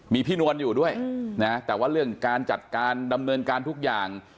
มีพี่นวลอยู่ด้วยนะแต่ว่าเรื่องการจัดการดำเนินการทุกอย่าง